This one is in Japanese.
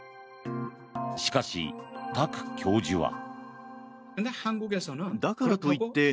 しかし、タク教授は。